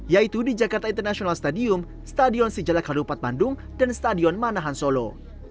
yaitu di jakarta international stadium stadion sijalak harupat bandung dan stadion manahan solo